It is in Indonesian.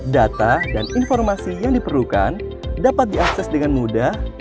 data dan informasi yang diperlukan dapat diakses dengan mudah